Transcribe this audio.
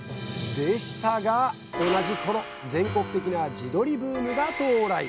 でしたが同じ頃全国的な地鶏ブームが到来。